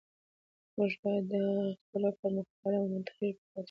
موږ باید د اختلاف پر مهال ارام او منطقي پاتې شو